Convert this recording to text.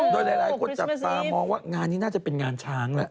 โดยหลายคนจับตามองว่างานนี้น่าจะเป็นงานช้างแล้ว